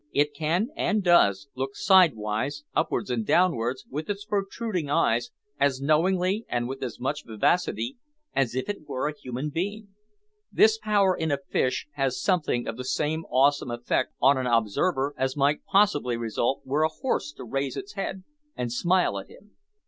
It can, and does, look sidewise, upwards and downwards, with its protruding eyes, as knowingly, and with as much vivacity, as if it were a human being. This power in a fish has something of the same awesome effect on an observer that might possibly result were a horse to raise its head and smile at him.